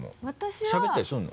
しゃべったりするの？